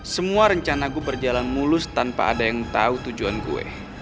semua rencana gue berjalan mulus tanpa ada yang tau tujuan gue